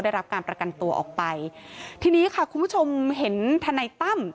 ได้รับการประกันตัวออกไปทีนี้ค่ะคุณผู้ชมเห็นทนายตั้ม